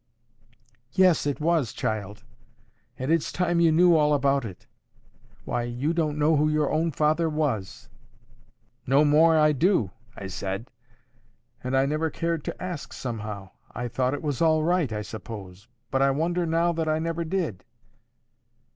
'Yes, it was, child; and it's time you knew all about it. Why, you don't know who your own father was!'—'No more I do,' I said; 'and I never cared to ask, somehow. I thought it was all right, I suppose. But I wonder now that I never did.